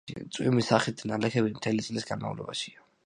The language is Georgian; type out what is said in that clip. წვიმის სახით ნალექები მთელი წლის განმავლობაშია.